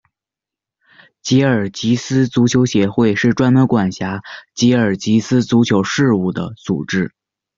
吉尔吉斯足球协会是专门管辖吉尔吉斯足球事务的组织。